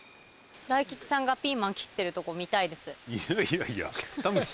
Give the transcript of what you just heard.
大吉さんがピーマン切ってるとこ見たいです。